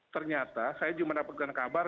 ternyata saya juga mendapatkan kabar